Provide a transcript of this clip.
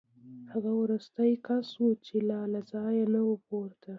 هغه وروستی کس و چې لا له ځایه نه و پورته